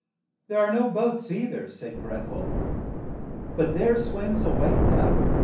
There are no boats, ei ther," said Greth el. S^SSS m But there swims a white duck.